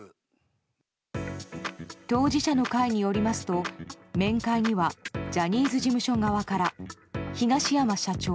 当事者の会によりますと面会にはジャニーズ事務所側から東山社長